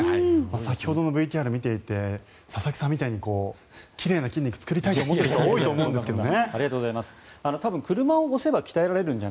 先ほどのＶＴＲ見ていて佐々木さんみたいに奇麗な筋肉を作りたいと思っている人は多いと思うんですけどね。